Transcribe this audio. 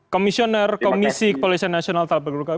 komisioner komisi kepolisian nasional talapagluka